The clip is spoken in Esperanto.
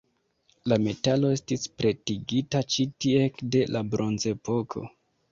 La metalo estis pretigita ĉi tie ekde la Bronzepoko.